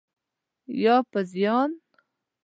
یا په زیان؟